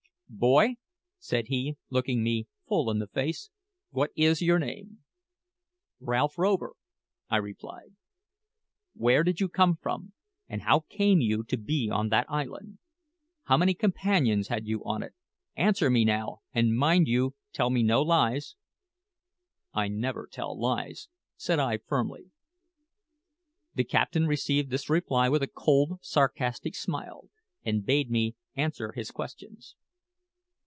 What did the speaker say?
"Boy," said he, looking me full in the face, "what is your name?" "Ralph Rover," I replied. "Where did you come from, and how came you to be on that island? How many companions had you on it? Answer me, now, and mind you tell no lies." "I never tell lies," said I firmly. The captain received this reply with a cold, sarcastic smile, and bade me answer his questions.